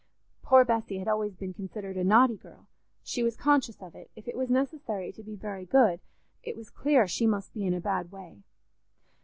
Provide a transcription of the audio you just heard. Poor Bessy had always been considered a naughty girl; she was conscious of it; if it was necessary to be very good, it was clear she must be in a bad way.